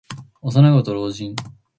幼子と老人。